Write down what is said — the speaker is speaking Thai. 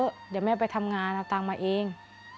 เดี๋ยวแม่ไปทำงานเอาตังค์มาเอง